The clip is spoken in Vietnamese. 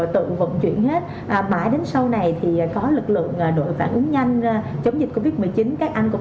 tự vận chuyển hết mãi đến sau này thì có lực lượng đội phản ứng nhanh chống dịch covid một mươi chín các anh cũng